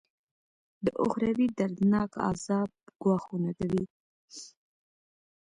د اخروي دردناکه عذاب ګواښونه کوي.